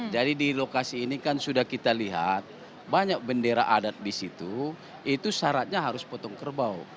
jadi di lokasi ini kan sudah kita lihat banyak bendera adat di situ itu syaratnya harus potong kerbau